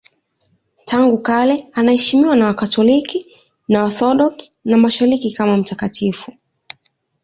Tangu kale anaheshimiwa na Wakatoliki na Waorthodoksi wa Mashariki kama mtakatifu.